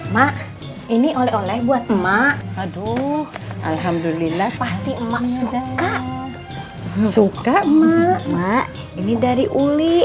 mak ini oleh oleh buat emak aduh alhamdulillah pasti emak suka suka mak mak ini dari uli